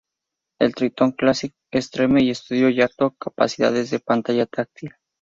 El Triton "Classic", Extreme, y Studio jactó capacidades de pantalla táctil.